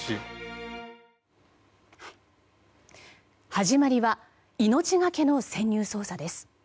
始まりは命がけの潜入捜査です。